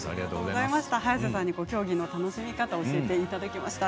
早瀬さんに競技の楽しみ方を教えていただきました。